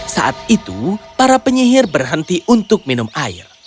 saat itu para penyihir berhenti untuk minum air